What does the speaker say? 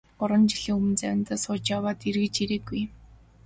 Гурван жилийн өмнө завиндаа сууж яваад эргэж ирээгүй.